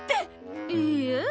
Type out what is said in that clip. いいえ。